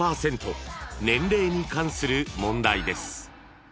［年齢に関する問題です］